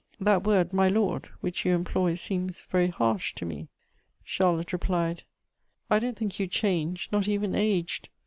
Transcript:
That word, 'my lord,' which you employ seems very harsh to me." Charlotte replied: "I don't think you changed, not even aged.